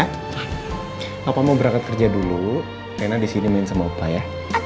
papa mau berangkat kerja dulu rena di sini main sama opa ya